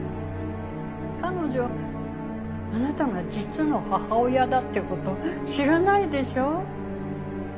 彼女あなたが実の母親だって事知らないでしょ？